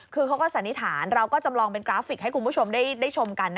คือเขาก็สันนิษฐานเราก็จำลองเป็นกราฟิกให้คุณผู้ชมได้ชมกัน